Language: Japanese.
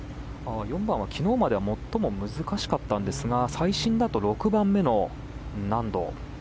４番は昨日までは最も難しかったんですが最新だと６番目の難度。